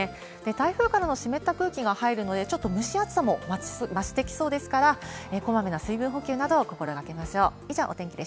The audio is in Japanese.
台風からの湿った空気が入るので、ちょっと蒸し暑さも増してきそうですから、こまめな水分補給などを心がけましょう。